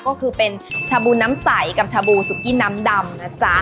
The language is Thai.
ก็คือเป็นชาบูน้ำใสกับชาบูสุกี้น้ำดำนะจ๊ะ